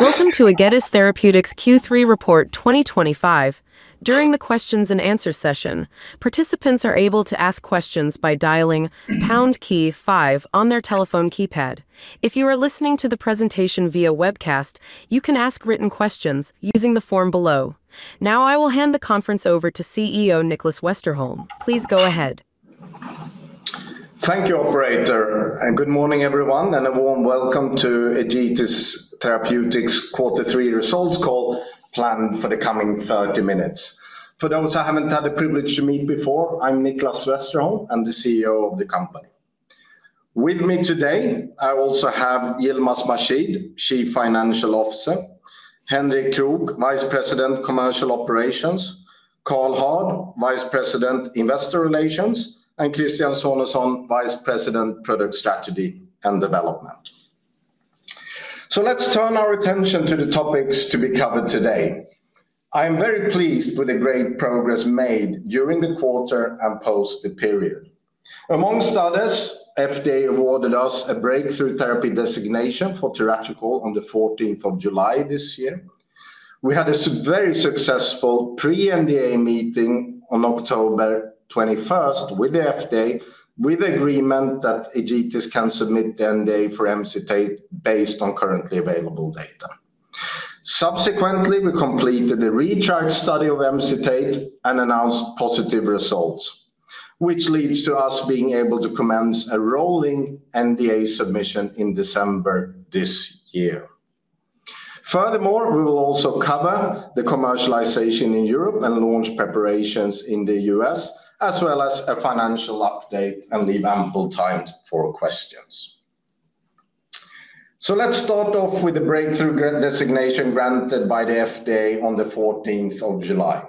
Welcome to Egetis Therapeutics Q3 report 2025. During the Q&A session, participants are able to ask questions by dialing pound key 5 on their telephone keypad. If you are listening to the presentation via webcast, you can ask written questions using the form below. Now, I will hand the conference over to CEO Nicklas Westerholm. Please go ahead. Thank you, Operator, and good morning, everyone, and a warm welcome to Egetis Therapeutics' Q3 results call planned for the coming 30 minutes. For those I haven't had the privilege to meet before, I'm Nicklas Westerholm and the CEO of the company. With me today, I also have Yilmaz Mahshid, Chief Financial Officer; Henrik Krook, Vice President Commercial Operations; Karl Hård, Vice President Investor Relations; and Christian Sonesson, Vice President Product Strategy and Development. Let's turn our attention to the topics to be covered today. I am very pleased with the great progress made during the quarter and post the period. Amongst others, FDA awarded us a Breakthrough Therapy designation for Triac on the 14th of July this year. We had a very successful pre-NDA meeting on October 21st with the FDA, with the agreement that Egetis can submit the NDA for MCT8 deficiency based on currently available data. Subsequently, we completed a ReTRIEVE study of MCT8 and announced positive results, which leads to us being able to commence a rolling NDA submission in December this year. Furthermore, we will also cover the commercialization in Europe and launch preparations in the U.S., as well as a financial update and leave ample time for questions. Let's start off with the Breakthrough Therapy designation granted by the FDA on the 14th of July.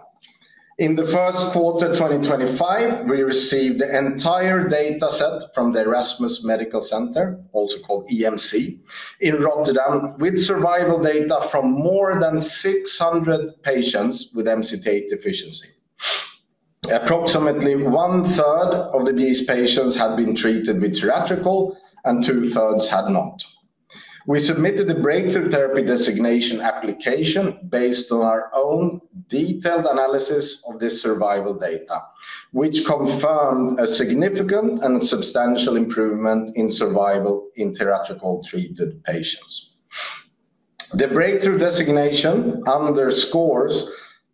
In the first quarter 2025, we received the entire dataset from the Erasmus Medical Center, also called EMC, in Rotterdam, with survival data from more than 600 patients with MCT8 deficiency. Approximately one-third of these patients had been treated with Triac, and two-thirds had not. We submitted the Breakthrough Therapy designation application based on our own detailed analysis of this survival data, which confirmed a significant and substantial improvement in survival in Triac-treated patients. The Breakthrough Therapy designation underscores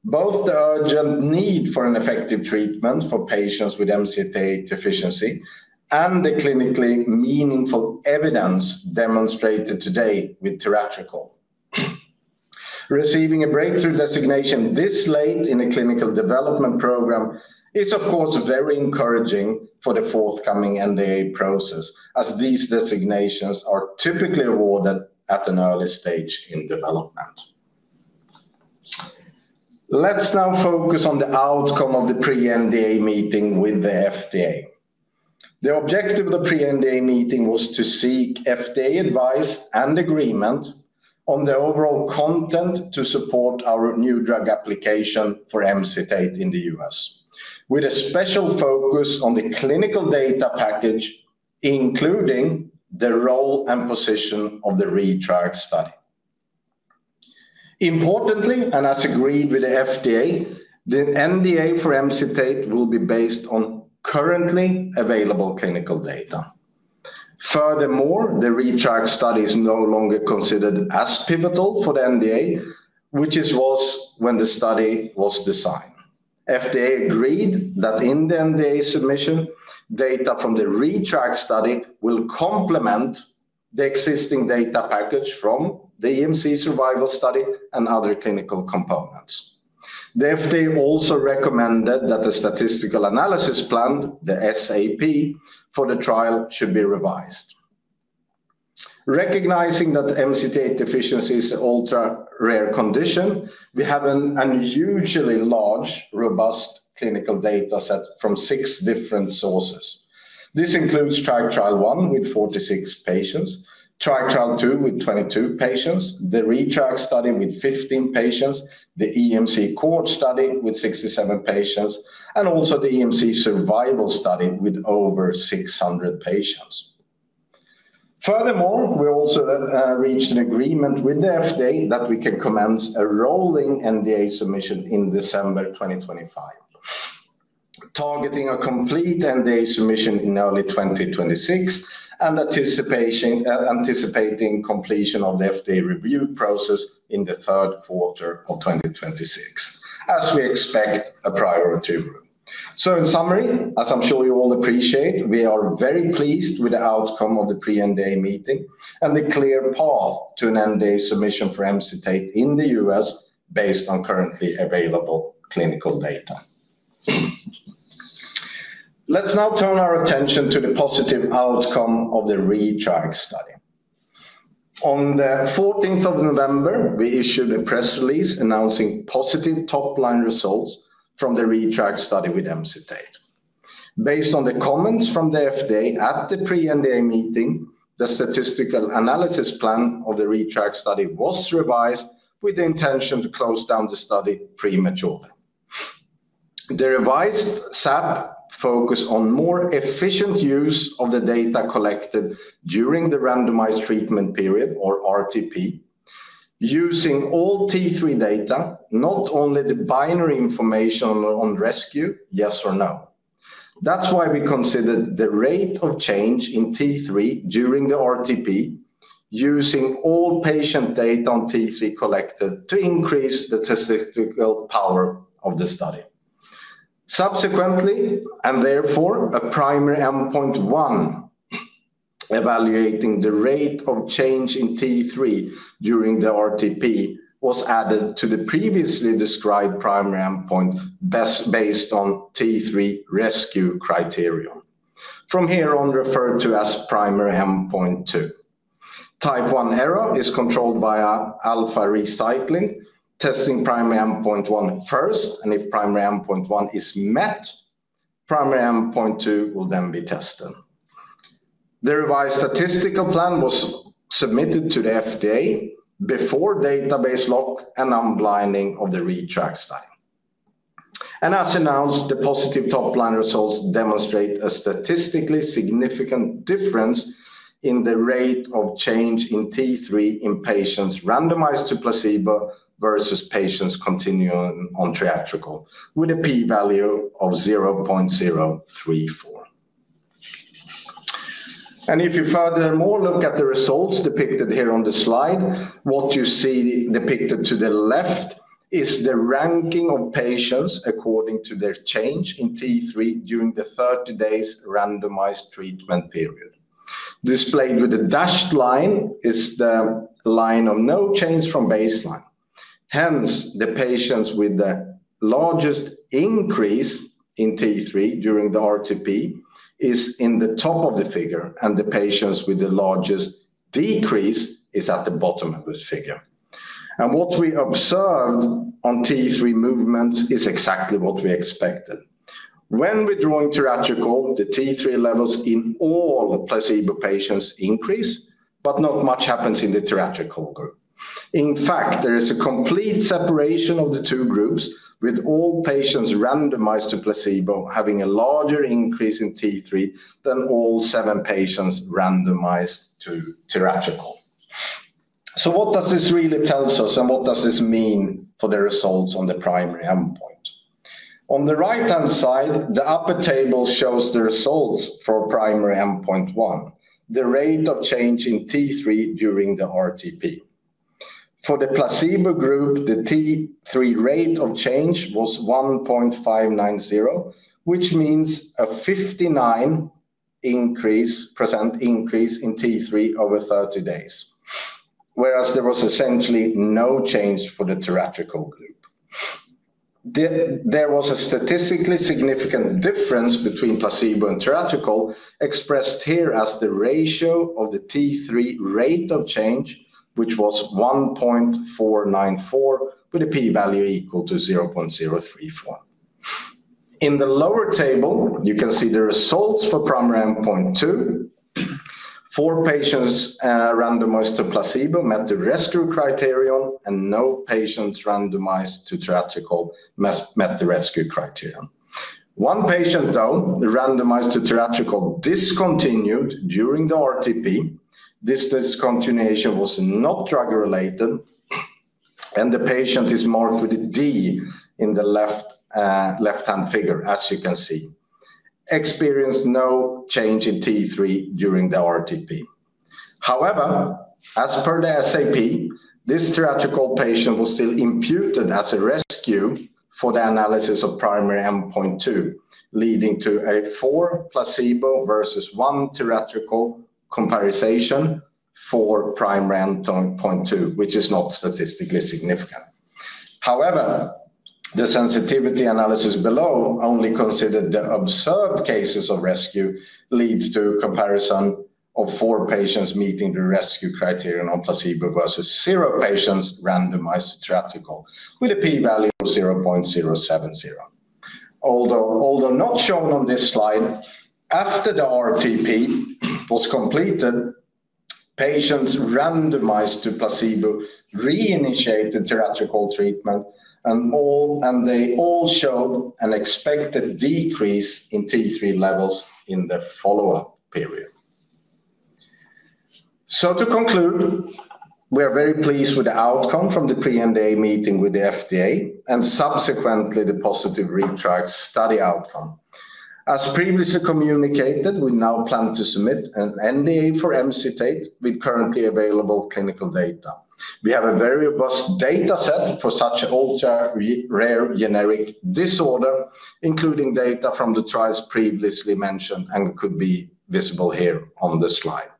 both the urgent need for an effective treatment for patients with MCT8 deficiency and the clinically meaningful evidence demonstrated today with Triac. Receiving a Breakthrough Therapy designation this late in a clinical development program is, of course, very encouraging for the forthcoming NDA process, as these designations are typically awarded at an early stage in development. Let's now focus on the outcome of the pre-NDA meeting with the FDA. The objective of the pre-NDA meeting was to seek FDA advice and agreement on the overall content to support our New Drug Application for MCT8 deficiency in the U.S., with a special focus on the clinical data package, including the role and position of the ReTRIEVE study. Importantly, and as agreed with the FDA, the NDA for MCT8 deficiency will be based on currently available clinical data. Furthermore, the ReTRIEVE study is no longer considered as pivotal for the NDA, which it was when the study was designed. FDA agreed that in the NDA submission, data from the ReTRIEVE study will complement the existing data package from the EMC survival study and other clinical components. The FDA also recommended that the statistical analysis plan, the SAP, for the trial should be revised. Recognizing that MCT8 deficiency is an ultra-rare condition, we have an unusually large, robust clinical dataset from six different sources. This includes TRIAL-1 with 46 patients, TRIAL-2 with 22 patients, the ReTRIEVE study with 15 patients, the EMC core study with 67 patients, and also the EMC survival study with over 600 patients. Furthermore, we also reached an agreement with the FDA that we can commence a rolling NDA submission in December 2025, targeting a complete NDA submission in early 2026 and anticipating completion of the FDA review process in the third quarter of 2026, as we expect a priority review. In summary, as I'm sure you all appreciate, we are very pleased with the outcome of the pre-NDA meeting and the clear path to an NDA submission for MCT8 in the U.S. based on currently available clinical data. Let's now turn our attention to the positive outcome of the ReTRIEVE study. On the 14th of November, we issued a press release announcing positive top-line results from the ReTRIEVE study with MCT8. Based on the comments from the FDA at the pre-NDA meeting, the statistical analysis plan of the ReTRIEVE study was revised with the intention to close down the study prematurely. The revised SAP focused on more efficient use of the data collected during the randomized treatment period, or RTP, using all T3 data, not only the binary information on rescue yes or no. That's why we considered the rate of change in T3 during the RTP, using all patient data on T3 collected to increase the statistical power of the study. Subsequently, and therefore a primary endpoint 1 evaluating the rate of change in T3 during the RTP was added to the previously described primary endpoint based on T3 rescue criterion, from here on referred to as primary endpoint 2. Type 1 error is controlled via alpha recycling, testing primary endpoint 1 first, and if primary endpoint 1 is met, primary endpoint 2 will then be tested. The revised statistical plan was submitted to the FDA before database lock and unblinding of the ReTRIEVE study. As announced, the positive top-line results demonstrate a statistically significant difference in the rate of change in T3 in patients randomized to placebo versus patients continuing on Triac, with a p-value of 0.034. If you furthermore look at the results depicted here on the slide, what you see depicted to the left is the ranking of patients according to their change in T3 during the 30 days randomized treatment period. Displayed with a dashed line is the line of no change from baseline. Hence, the patients with the largest increase in T3 during the RTP is in the top of the figure, and the patients with the largest decrease is at the bottom of the figure. What we observed on T3 movements is exactly what we expected. When we draw in Triac, the T3 levels in all placebo patients increase, but not much happens in the Triac group. In fact, there is a complete separation of the two groups, with all patients randomized to placebo having a larger increase in T3 than all seven patients randomized to Triac. What does this really tell us, and what does this mean for the results on the primary endpoint? On the right-hand side, the upper table shows the results for primary endpoint 1, the rate of change in T3 during the RTP. For the placebo group, the T3 rate of change was 1.590, which means a 59% increase in T3 over 30 days, whereas there was essentially no change for the Triac group. There was a statistically significant difference between placebo and Triac, expressed here as the ratio of the T3 rate of change, which was 1.494, with a p-value equal to 0.034. In the lower table, you can see the results for primary endpoint 2. Four patients randomized to placebo met the rescue criterion, and no patients randomized to Triac met the rescue criterion. One patient, though, randomized to Triac discontinued during the RTP. This discontinuation was not drug-related, and the patient is marked with a D in the left-hand figure, as you can see. Experienced no change in T3 during the RTP. However, as per the SAP, this Triac patient was still imputed as a rescue for the analysis of primary endpoint 2, leading to a 4 placebo versus 1 Triac comparison, for primary endpoint 2, which is not statistically significant. However, the sensitivity analysis below only considered the observed cases of rescue, which leads to a comparison of four patients meeting the rescue criterion on placebo versus zero patients randomized to Triac, with a p-value of 0.070. Although not shown on this slide, after the RTP was completed, patients randomized to placebo reinitiated Triac treatment, and they all showed an expected decrease in T3 levels in the follow-up period. To conclude, we are very pleased with the outcome from the pre-NDA meeting with the FDA and subsequently the positive ReTRIEVE study outcome. As previously communicated, we now plan to submit an NDA for MCT8 deficiency with currently available clinical data. We have a very robust dataset for such an ultra-rare genetic disorder, including data from the trials previously mentioned and could be visible here on the slide.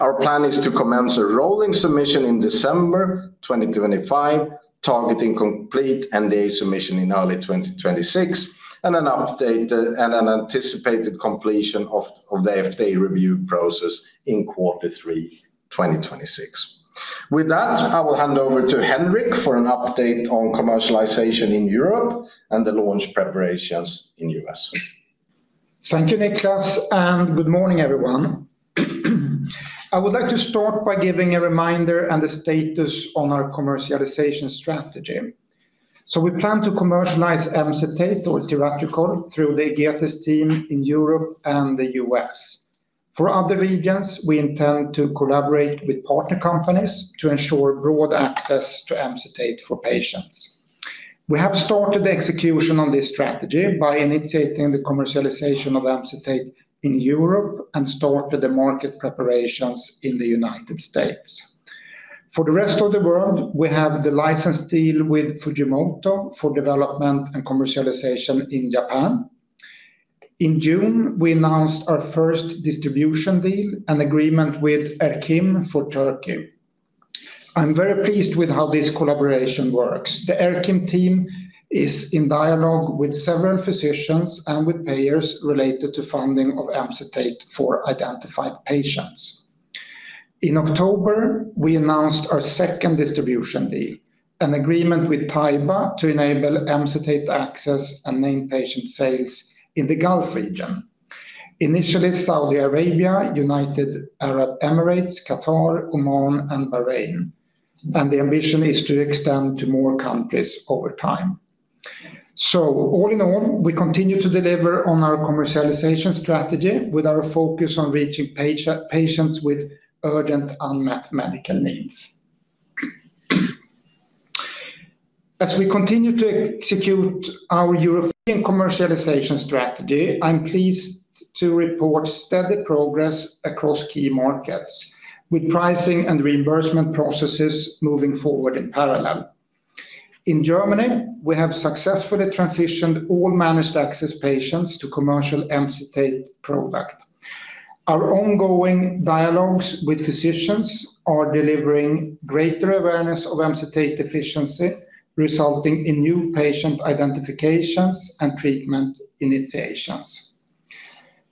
Our plan is to commence a rolling submission in December 2025, targeting complete NDA submission in early 2026, and an anticipated completion of the FDA review process in quarter three 2026. With that, I will hand over to Henrik for an update on commercialization in Europe and the launch preparations in the U.S. Thank you, Nicklas, and good morning, everyone. I would like to start by giving a reminder and the status on our commercialization strategy. We plan to commercialize Triac through the Egetis team in Europe and the U.S. For other regions, we intend to collaborate with partner companies to ensure broad access to Triac for patients. We have started the execution on this strategy by initiating the commercialization of Triac in Europe and started the market preparations in the United States. For the rest of the world, we have the license deal with Fujimoto for development and commercialization in Japan. In June, we announced our first distribution deal and agreement with Erkim for Turkey. I'm very pleased with how this collaboration works. The Erkim team is in dialogue with several physicians and with payers related to funding of MCT8 for identified patients. In October, we announced our second distribution deal, an agreement with Taiba to enable MCT8 access and name patient sales in the Gulf region, initially Saudi Arabia, United Arab Emirates, Qatar, Oman, and Bahrain. The ambition is to extend to more countries over time. All in all, we continue to deliver on our commercialization strategy with our focus on reaching patients with urgent unmet medical needs. As we continue to execute our European commercialization strategy, I'm pleased to report steady progress across key markets, with pricing and reimbursement processes moving forward in parallel. In Germany, we have successfully transitioned all managed access patients to commercial Triac product. Our ongoing dialogues with physicians are delivering greater awareness of MCT8 deficiency, resulting in new patient identifications and treatment initiations.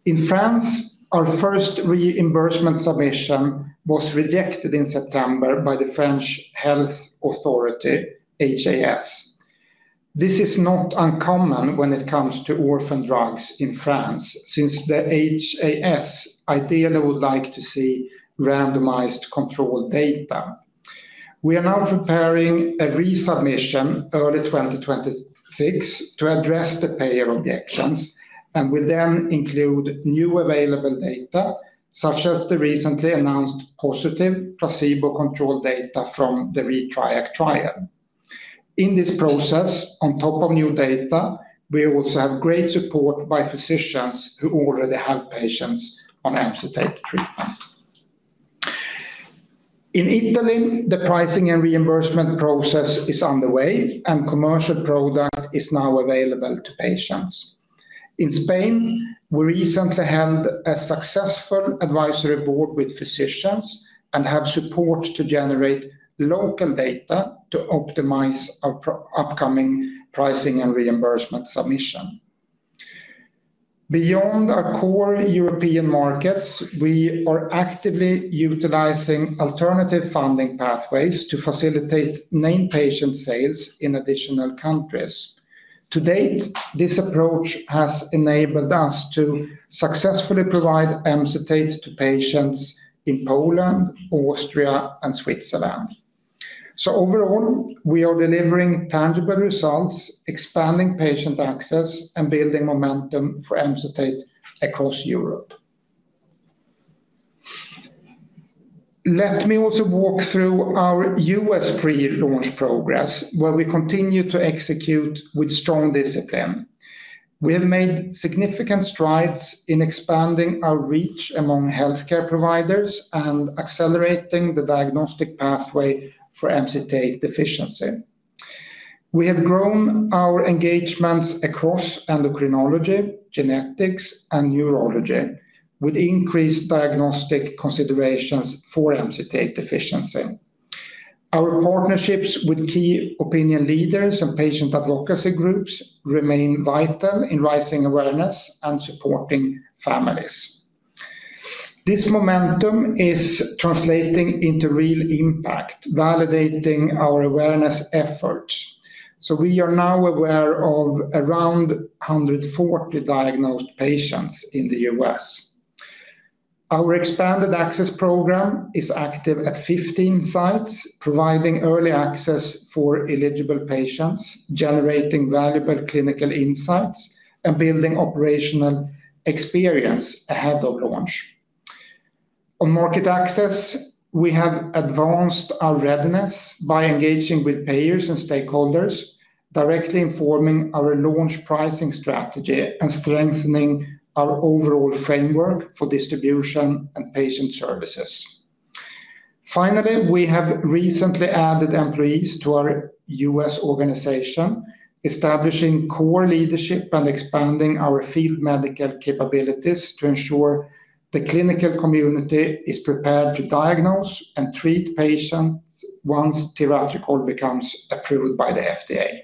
In France, our first reimbursement submission was rejected in September by the French Health Authority, HAS. This is not uncommon when it comes to orphan drugs in France, since the HAS ideally would like to see randomized control data. We are now preparing a resubmission early 2026 to address the payer objections, and we'll then include new available data, such as the recently announced positive placebo control data from the ReTRIEVE trial. In this process, on top of new data, we also have great support by physicians who already have patients on Triac treatment. In Italy, the pricing and reimbursement process is underway, and commercial product is now available to patients. In Spain, we recently held a successful advisory board with physicians and have support to generate local data to optimize our upcoming pricing and reimbursement submission. Beyond our core European markets, we are actively utilizing alternative funding pathways to facilitate name patient sales in additional countries. To date, this approach has enabled us to successfully provide Triac to patients in Poland, Austria, and Switzerland. Overall, we are delivering tangible results, expanding patient access, and building momentum for Triac across Europe. Let me also walk through our U.S. pre-launch progress, where we continue to execute with strong discipline. We have made significant strides in expanding our reach among healthcare providers and accelerating the diagnostic pathway for MCT8 deficiency. We have grown our engagements across endocrinology, genetics, and neurology, with increased diagnostic considerations for MCT8 deficiency. Our partnerships with key opinion leaders and patient advocacy groups remain vital in raising awareness and supporting families. This momentum is translating into real impact, validating our awareness efforts. We are now aware of around 140 diagnosed patients in the U.S. Our expanded access program is active at 15 sites, providing early access for eligible patients, generating valuable clinical insights, and building operational experience ahead of launch. On market access, we have advanced our readiness by engaging with payers and stakeholders, directly informing our launch pricing strategy and strengthening our overall framework for distribution and patient services. Finally, we have recently added employees to our US organization, establishing core leadership and expanding our field medical capabilities to ensure the clinical community is prepared to diagnose and treat patients once Triac becomes approved by the FDA.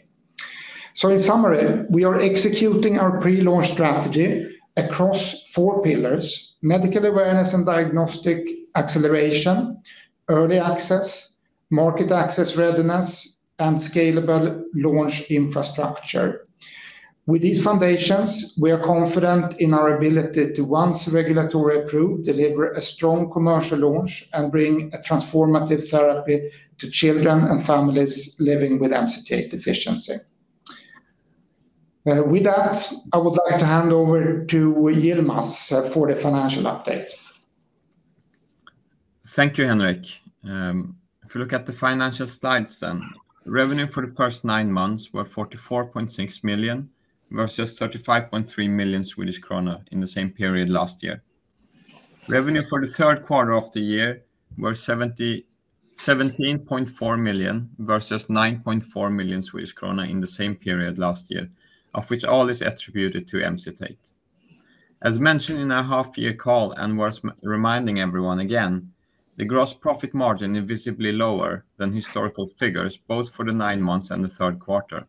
In summary, we are executing our pre-launch strategy across four pillars: medical awareness and diagnostic acceleration, early access, market access readiness, and scalable launch infrastructure. With these foundations, we are confident in our ability to, once regulatory approved, deliver a strong commercial launch and bring a transformative therapy to children and families living with MCT8 deficiency. With that, I would like to hand over to Yilmaz for the financial update. Thank you, Henrik. If we look at the financial slides then, revenue for the first nine months were 44.6 million versus 35.3 million Swedish krona in the same period last year. Revenue for the third quarter of the year was 17.4 million versus 9.4 million Swedish krona in the same period last year, of which all is attributed to MCT8. As mentioned in our half-year call and worth reminding everyone again, the gross profit margin is visibly lower than historical figures, both for the nine months and the third quarter.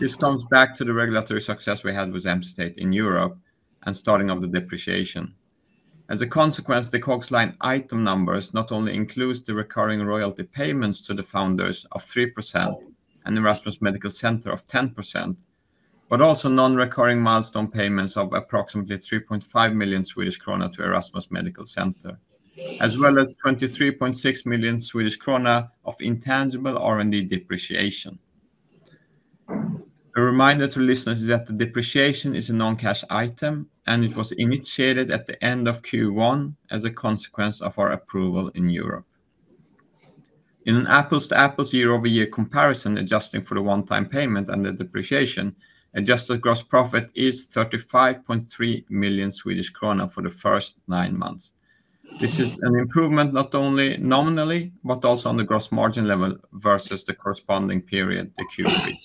This comes back to the regulatory success we had with MCT8 in Europe and starting of the depreciation. As a consequence, the COGS line item numbers not only include the recurring royalty payments to the founders of 3% and Erasmus Medical Center of 10%, but also non-recurring milestone payments of approximately 3.5 million Swedish krona to Erasmus Medical Center, as well as 23.6 million Swedish krona of intangible R&D depreciation. A reminder to listeners is that the depreciation is a non-cash item, and it was initiated at the end of Q1 as a consequence of our approval in Europe. In an apples-to-apples year-over-year comparison, adjusting for the one-time payment and the depreciation, adjusted gross profit is 35.3 million Swedish krona for the first nine months. This is an improvement not only nominally, but also on the gross margin level versus the corresponding period, the Q3.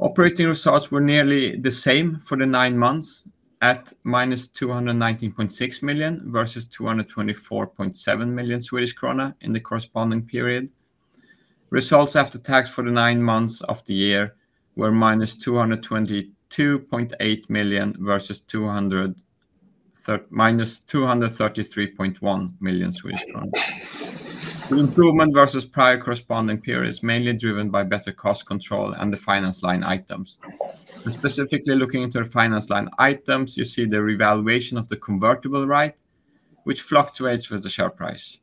Operating results were nearly the same for the nine months at minus 219.6 million versus 224.7 million Swedish krona in the corresponding period. Results after tax for the nine months of the year were minus 222.8 million versus minus SEK 233.1 million. The improvement versus prior corresponding period is mainly driven by better cost control and the finance line items. Specifically looking into the finance line items, you see the revaluation of the convertible right, which fluctuates with the share price.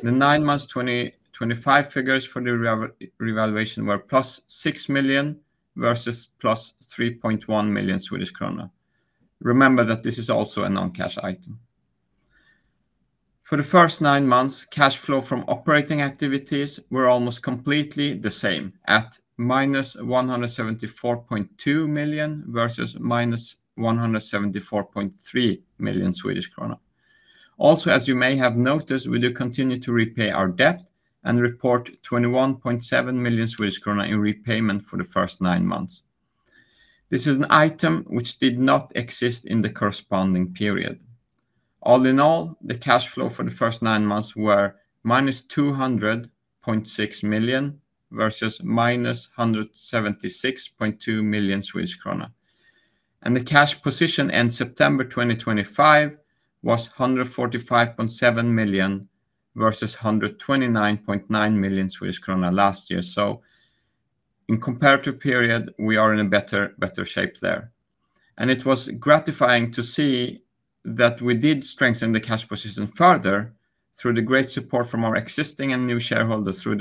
The nine months 2025 figures for the revaluation were plus 6 million versus plus 3.1 million Swedish krona. Remember that this is also a non-cash item. For the first nine months, cash flow from operating activities were almost completely the same at minus 174.2 million versus minus 174.3 million Swedish krona. Also, as you may have noticed, we do continue to repay our debt and report 21.7 million Swedish krona in repayment for the first nine months. This is an item which did not exist in the corresponding period. All in all, the cash flow for the first nine months were minus 200.6 million versus minus 176.2 million Swedish krona. The cash position end September 2025 was 145.7 million versus 129.9 million Swedish krona last year. In comparative period, we are in a better shape there. It was gratifying to see that we did strengthen the cash position further through the great support from our existing and new shareholders through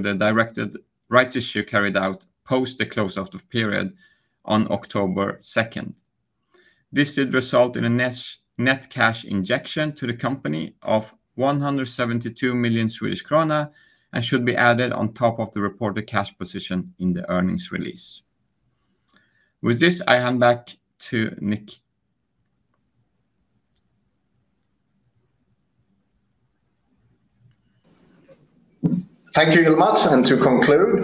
the directed rights issue carried out post the closeout of period on October 2. This did result in a net cash injection to the company of 172 million Swedish krona and should be added on top of the reported cash position in the earnings release. With this, I hand back to Nick. Thank you, Yilmaz. To conclude,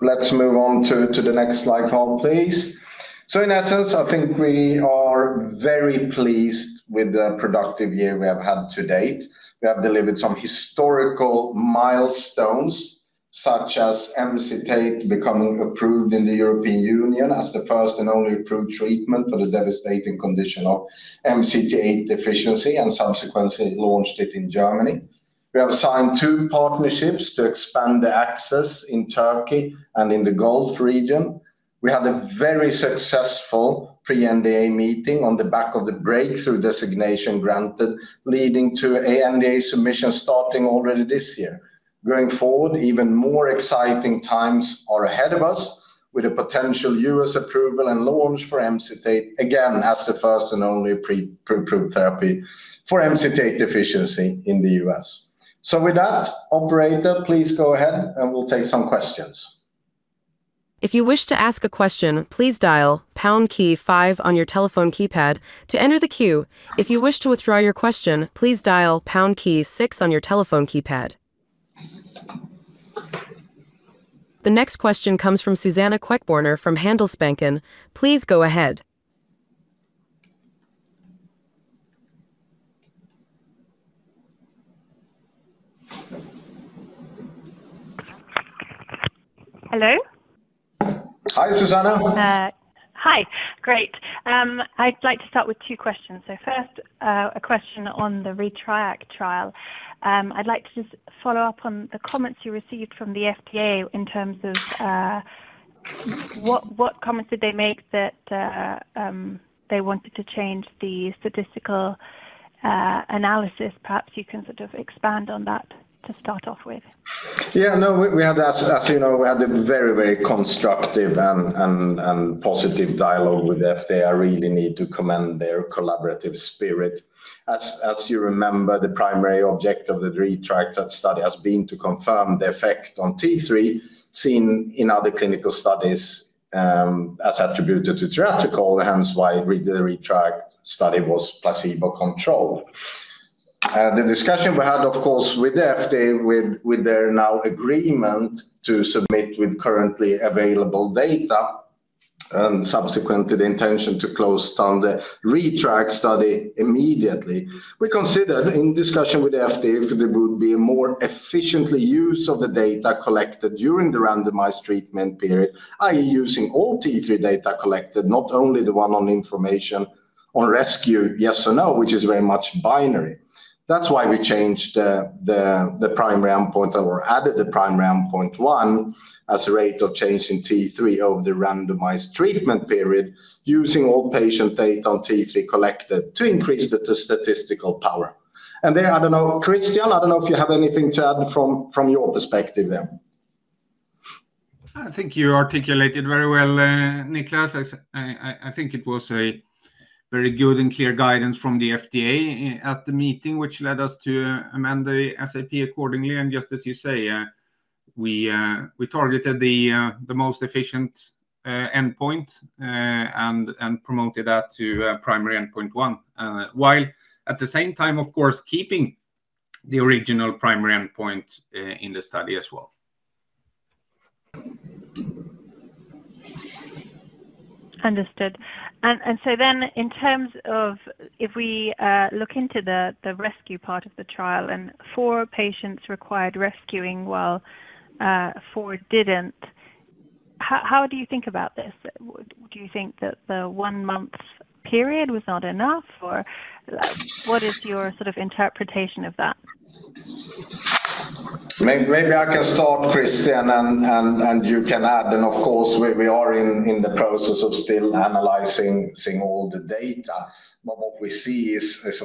let's move on to the next slide call, please. In essence, I think we are very pleased with the productive year we have had to date. We have delivered some historical milestones, such as Triac becoming approved in the European Union as the first and only approved treatment for the devastating condition of MCT8 deficiency and subsequently launched it in Germany. We have signed two partnerships to expand the access in Turkey and in the Gulf region. We had a very successful pre-NDA meeting on the back of the Breakthrough Therapy designation granted, leading to an NDA submission starting already this year. Going forward, even more exciting times are ahead of us with a potential U.S. approval and launch for Triac, again, as the first and only approved therapy for MCT8 deficiency in the U.S. With that, operator, please go ahead and we'll take some questions. If you wish to ask a question, please dial pound key five on your telephone keypad to enter the queue. If you wish to withdraw your question, please dial pound key six on your telephone keypad. The next question comes from Suzanna Queckbörner from Handelsbanken. Please go ahead. Hello. Hi, Suzanna. Hi. Great. I'd like to start with two questions. First, a question on the ReTRIEVE trial. I'd like to just follow up on the comments you received from the FDA in terms of what comments did they make that they wanted to change the statistical analysis. Perhaps you can sort of expand on that to start off with. Yeah. No, we had, as you know, we had a very, very constructive and positive dialogue with the FDA. I really need to commend their collaborative spirit. As you remember, the primary object of the ReTRIEVE study has been to confirm the effect on T3 seen in other clinical studies as attributed to thoracic wall, hence why the ReTRIEVE study was placebo-controlled. The discussion we had, of course, with the FDA, with their now agreement to submit with currently available data, and subsequently the intention to close down the ReTRIEVE study immediately, we considered in discussion with the FDA if there would be a more efficient use of the data collected during the randomized treatment period, i.e., using all T3 data collected, not only the one on information on rescue, yes or no, which is very much binary. That's why we changed the primary endpoint or added the primary endpoint one as a rate of change in T3 over the randomized treatment period, using all patient data on T3 collected to increase the statistical power. There, I don't know, Christian, I don't know if you have anything to add from your perspective there. I think you articulated very well, Niklas. I think it was a very good and clear guidance from the FDA at the meeting, which led us to amend the SAP accordingly. Just as you say, we targeted the most efficient endpoint and promoted that to primary endpoint one, while at the same time, of course, keeping the original primary endpoint in the study as well. Understood. In terms of if we look into the rescue part of the trial and four patients required rescuing while four didn't, how do you think about this? Do you think that the one-month period was not enough, or what is your sort of interpretation of that? Maybe I can start, Christian, and you can add. Of course, we are in the process of still analyzing all the data. What we see is, as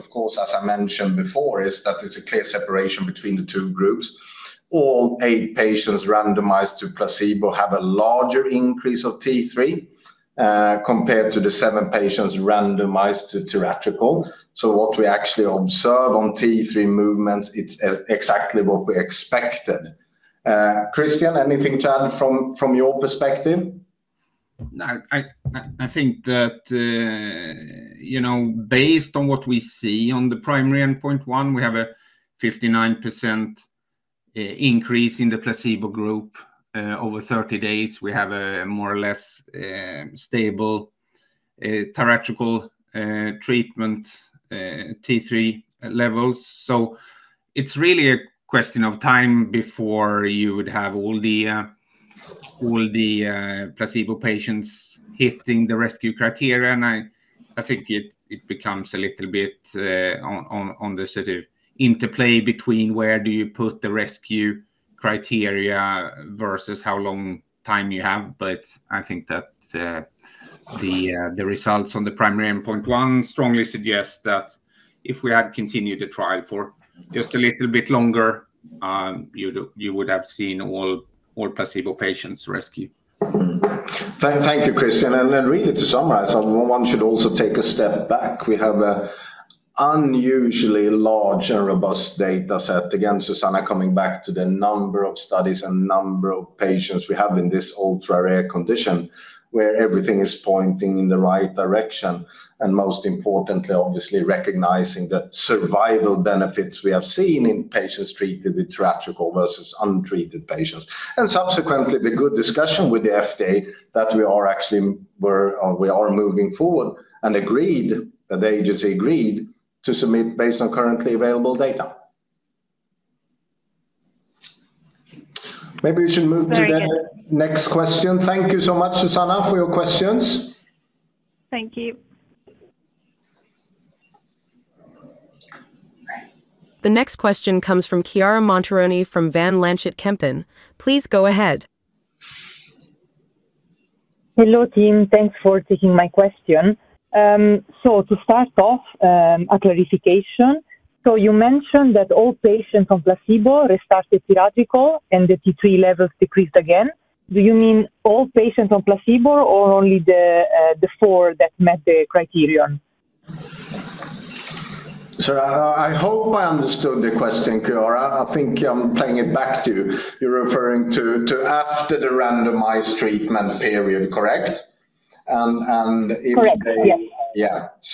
I mentioned before, that there's a clear separation between the two groups. All eight patients randomized to placebo have a larger increase of T3 compared to the seven patients randomized to Triac. What we actually observe on T3 movements is exactly what we expected. Christian, anything to add from your perspective? I think that based on what we see on the primary endpoint one, we have a 59% increase in the placebo group over 30 days. We have a more or less stable Triac treatment T3 levels. It is really a question of time before you would have all the placebo patients hitting the rescue criteria. I think it becomes a little bit on the sort of interplay between where do you put the rescue criteria versus how long time you have. I think that the results on the primary endpoint one strongly suggest that if we had continued the trial for just a little bit longer, you would have seen all placebo patients rescue. Thank you, Christian. Really, to summarize, one should also take a step back. We have an unusually large and robust data set. Again, Suzanna, coming back to the number of studies and number of patients we have in this ultra-rare condition where everything is pointing in the right direction. Most importantly, obviously recognizing the survival benefits we have seen in patients treated with Triac versus untreated patients. Subsequently, the good discussion with the FDA that we are actually moving forward and agreed, that the agency agreed to submit based on currently available data. Maybe we should move to the next question. Thank you so much, Suzanna, for your questions. Thank you. The next question comes from Chiara Montironi from Van Lanschot Kempen. Please go ahead. Hello, team. Thanks for taking my question. To start off, a clarification. You mentioned that all patients on placebo restarted thoracic wall and the T3 levels decreased again. Do you mean all patients on placebo or only the four that met the criterion? I hope I understood the question, Chiara. I think I'm playing it back to you. You're referring to after the randomized treatment period, correct? And if they— Correct yeah. Yes,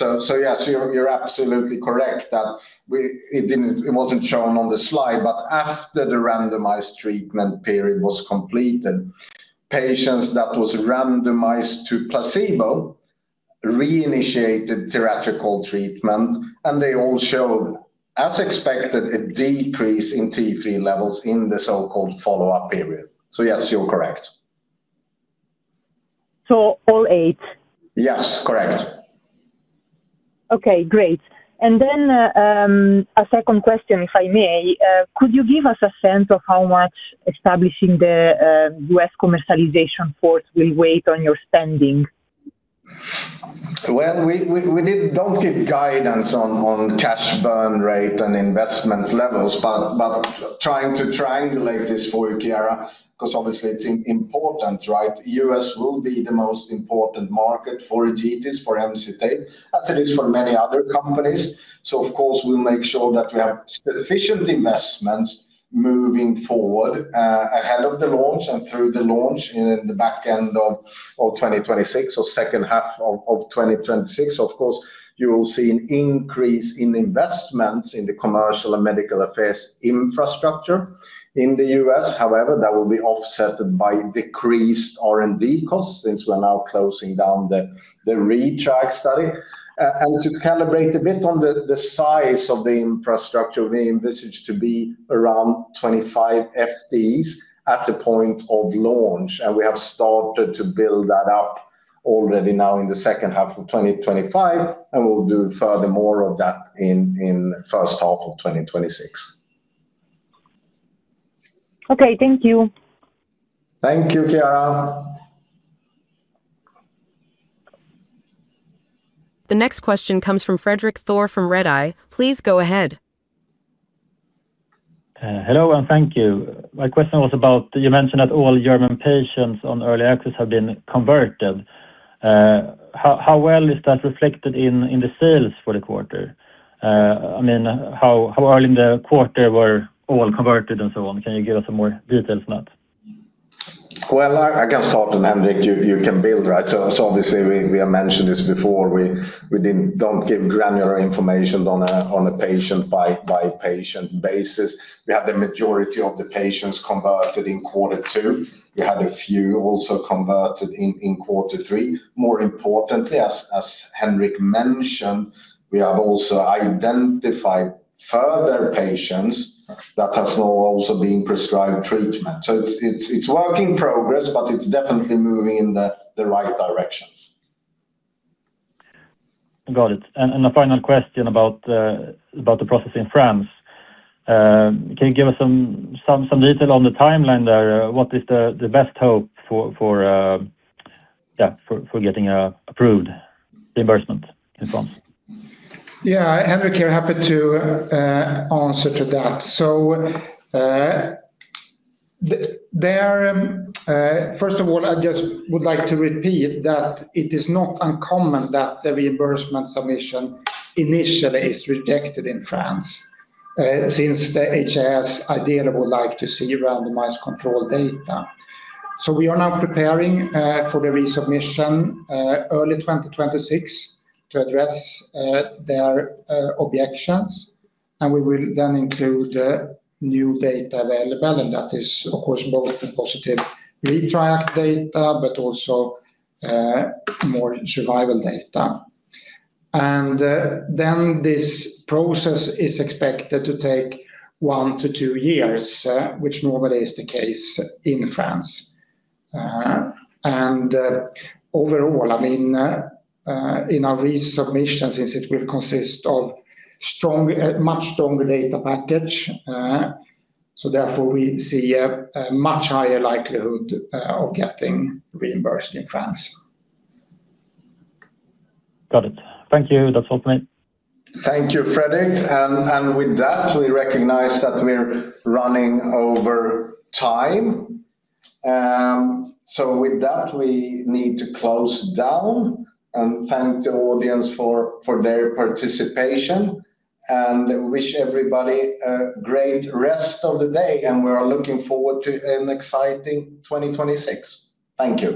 you're absolutely correct that it wasn't shown on the slide, but after the randomized treatment period was completed, patients that were randomized to placebo reinitiated Triac treatment, and they all showed, as expected, a decrease in T3 levels in the so-called follow-up period. Yes, you're correct. All eight? Yes, correct. Okay, great. A second question, if I may. Could you give us a sense of how much establishing the US commercialization port will weigh on your spending? We don't give guidance on cash burn rate and investment levels, but trying to triangulate this for you, Chiara, because obviously it's important, right? US will be the most important market for Egetis, for MCT8, as it is for many other companies. Of course, we'll make sure that we have sufficient investments moving forward ahead of the launch and through the launch in the back end of 2026 or second half of 2026. Of course, you will see an increase in investments in the commercial and medical affairs infrastructure in the U.S. However, that will be offset by decreased R&D costs since we're now closing down the ReTRIEVE study. To calibrate a bit on the size of the infrastructure, we envisage to be around 25 FTEs at the point of launch. We have started to build that up already now in the second half of 2025, and we'll do further more of that in the first half of 2026. Okay, thank you. Thank you, Chiara. The next question comes from Frederick Thor from Redeye. Please go ahead. Hello, and thank you. My question was about you mentioned that all German patients on early access have been converted. How well is that reflected in the sales for the quarter? I mean, how early in the quarter were all converted and so on? Can you give us some more details on that? I can start and Henrik, you can build, right? Obviously, we have mentioned this before. We do not give granular information on a patient-by-patient basis. We had the majority of the patients converted in quarter two. We had a few also converted in quarter three. More importantly, as Henrik mentioned, we have also identified further patients that have now also been prescribed treatment. It is work in progress, but it is definitely moving in the right direction. Got it. A final question about the process in France. Can you give us some detail on the timeline there? What is the best hope for getting approved reimbursement in France? Yeah, Henrik, you're happy to answer to that. First of all, I just would like to repeat that it is not uncommon that the reimbursement submission initially is rejected in France since the HIS ideally would like to see randomized control data. We are now preparing for the resubmission early 2026 to address their objections. We will then include new data available, and that is, of course, both the positive ReTRIEVE data, but also more survival data. This process is expected to take one to two years, which normally is the case in France. Overall, I mean, in our resubmission, since it will consist of a much stronger data package, we see a much higher likelihood of getting reimbursed in France. Got it. Thank you. That's all from me. Thank you, Frederik. With that, we recognize that we're running over time. With that, we need to close down and thank the audience for their participation and wish everybody a great rest of the day. We are looking forward to an exciting 2026. Thank you.